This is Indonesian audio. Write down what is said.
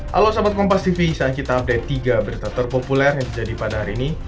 halo sahabat kompas tv isang kita update tiga berita terpopuler yang terjadi pada hari ini